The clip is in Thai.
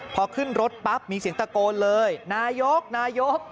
พอขึ้นรถปั๊บมีเสียงตะโกนเลยนายกนายก